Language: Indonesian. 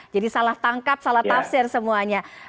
salah tangkap salah tafsir semuanya